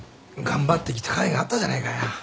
頑張ってきたかいがあったじゃねえかよ。